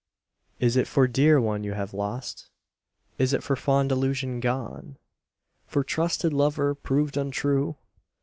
Is it for dear one you have lost? Is it for fond illusion gone? For trusted lover proved untrue?